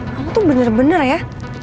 aku tuh bener bener ya